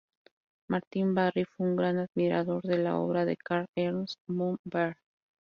Martin Barry fue un gran admirador de la obra de Karl Ernst von Baer.